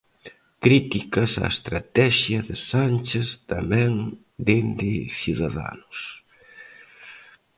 Críticas á estratexia de Sánchez tamén dende Ciudadanos.